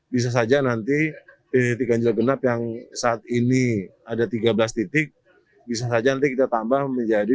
bisa saja nanti titik ganjil genap yang saat ini ada tiga belas titik bisa saja nanti kita tambah menjadi